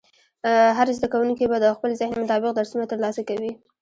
هر زده کوونکی به د خپل ذهن مطابق درسونه ترلاسه کوي.